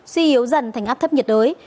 suy yếu dần thành áp thấp nhiệt đới